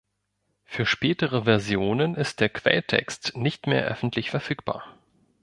Für spätere Versionen ist der Quelltext nicht mehr öffentlich verfügbar.